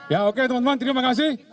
ya oke teman teman terima kasih